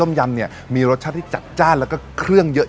ยำเนี่ยมีรสชาติที่จัดจ้านแล้วก็เครื่องเยอะ